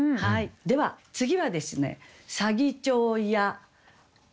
では次はですね。